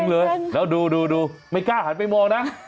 เดี๋ยวดูดูดูไม่กล้าหันไปมองนะ